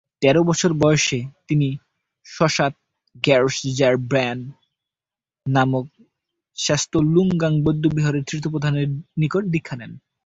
তেরো বছর বয়সে তিনি সাংস-র্গ্যাস-য়ার-ব্যোন নামক স্তাগ-লুং-থাং বৌদ্ধবিহারের তৃতীয় প্রধানের নিকট দীক্ষা নেন।